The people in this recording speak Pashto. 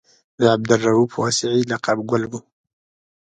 د عبدالرؤف واسعي لقب ګل و.